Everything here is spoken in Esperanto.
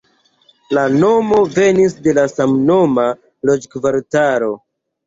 La nomo venis de la samnoma loĝkvartalo.